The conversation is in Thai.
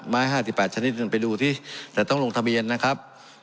ไม้ห้าสิบแปดชนิดหนึ่งไปดูที่แต่ต้องลงทะเบียนนะครับ